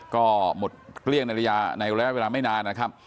ก็หมดเกลี้ยงในระยะเวลาไม่นาน